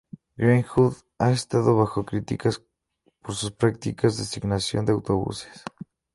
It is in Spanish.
Greyhound ha estado bajo críticas por sus prácticas de asignación de autobuses.